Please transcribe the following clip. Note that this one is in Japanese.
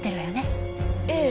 ええ。